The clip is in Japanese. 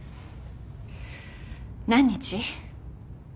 何日？